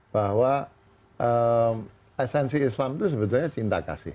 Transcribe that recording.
bahwa esensi islam itu sebetulnya cinta kasih